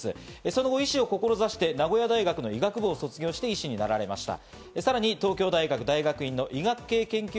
その後、医師を志して名古屋大学の医学部を卒業して医師になられました。